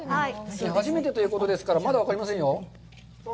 初めてということですから、まだ分かりませんよ。